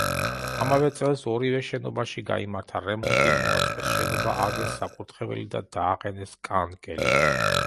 ამავე წელს ორივე შენობაში გაიმართა რემონტი, მოაწყვეს შენობა, ააგეს საკურთხეველი და დააყენეს კანკელი.